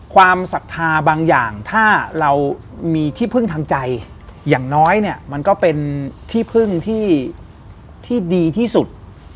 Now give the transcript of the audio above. ศรัทธาบางอย่างถ้าเรามีที่พึ่งทางใจอย่างน้อยเนี่ยมันก็เป็นที่พึ่งที่ดีที่สุด